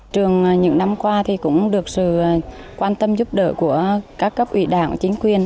trường những năm qua thì cũng được sự quan tâm giúp đỡ của các cấp ủy đảng chính quyền